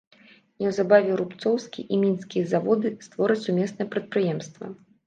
Неўзабаве рубцоўскі і мінскі заводы створаць сумеснае прадпрыемства.